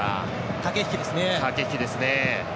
駆け引きですね。